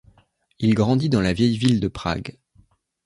Il grandit dans la vieille ville de Prague.